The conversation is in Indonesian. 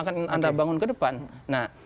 akan anda bangun kedepan nah